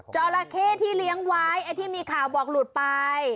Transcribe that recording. จราเข้ที่เลี้ยงไว้ไอ้ที่มีข่าวบอกหลุดไป